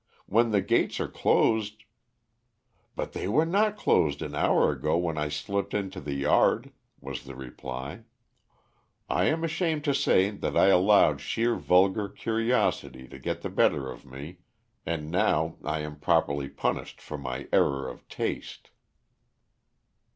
"When the gates are closed " "But they were not closed an hour ago when I slipped into the yard," was the reply. "I am ashamed to say that I allowed sheer vulgar curiosity to get the better of me, and now I am properly punished for my error of taste."